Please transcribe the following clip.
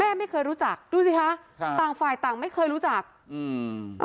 ไม่เคยรู้จักดูสิคะครับต่างฝ่ายต่างไม่เคยรู้จักอืม